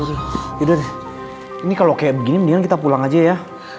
ini kalau kayak begini mendingan kita pulang aja ya